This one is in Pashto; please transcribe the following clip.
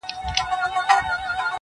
• ته تر اوسه لا د فیل غوږ کي بیده یې..